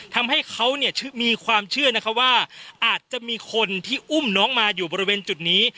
ทำให้เขาเนี่ยมีความเชื่อนะคะว่าอาจจะมีคนที่อุ้มน้องมาอยู่บริเวณจุดนี้